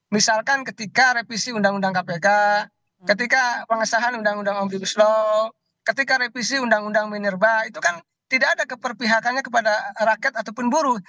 misalkan ketika revisi undang undang kpk ketika pengesahan undang undang omnibus law ketika revisi undang undang minerba itu kan tidak ada keperpihakannya kepada rakyat ataupun buruh